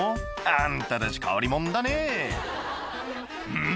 あんたたち変わり者だねぇん？